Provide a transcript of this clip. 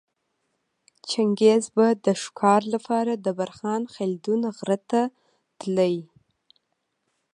چنګیز به د ښکاره لپاره د برخان خلدون غره ته تلی